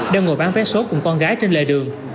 đem ngồi bán vé số cùng con gái trên lề đường